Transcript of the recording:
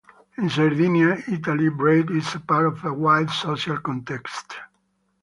In Sardinia, Italy, bread is a part of a wide social context.